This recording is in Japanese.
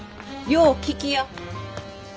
よう聞きや。